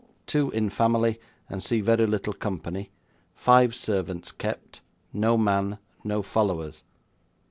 Two in family, and see very little company. Five servants kept. No man. No followers."